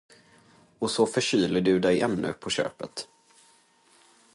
Och så förkyler du dig ännu på köpet.